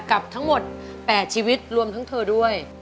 กับทั้งหมด๘ชีวิตรวมทั้งเธอด้วย